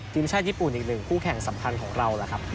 ทีมชาติญี่ปุ่นอีกหนึ่งคู่แข่งสำคัญของเราล่ะครับ